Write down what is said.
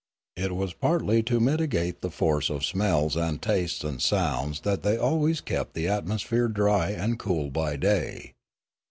It was partly to mitigate the force of smells and tastes and sounds that they always kept the atmosphere dry and cool by day.